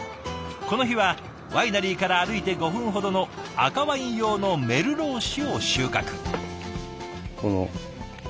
この日はワイナリーから歩いて５分ほどの赤ワイン用のメルロー種を収穫。